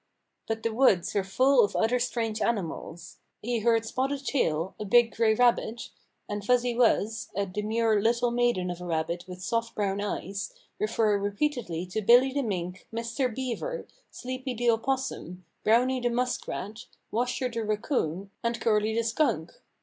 But the woods were full of other strange ani mals. He heard Spotted Tail, a big gi'ay rabbit, and Fuzzy Wuzz, a demure little maiden of a rabbit with soft brown eyes, refer repeatedly to Billy the Mink, Mr. Beaver, Sleepy the Opos sum, Browny the Muskrat, Washer the Raccoon and Curly the Skunk.